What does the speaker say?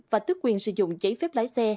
và tước quyền sử dụng giấy phép lái xe